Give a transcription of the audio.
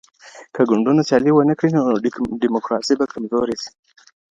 که ګوندونه سيالي ونه کړي نو ډيموکراسي به کمزورې سي.